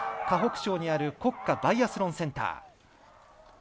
河北省にある国家バイアスロンセンター。